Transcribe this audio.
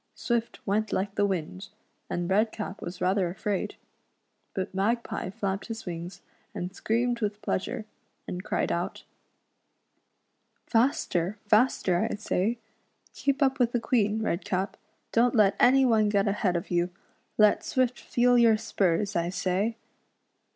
Swift went like the wind, and Redcap was rather afraid, but Magpie flapped his wings, and screamed with pleasure, and cried out :" Faster ! faster ! I say. Keep up with the Queen, Redcap I Don't let any one get ahead of you. Let Swift feel your spurs, I say."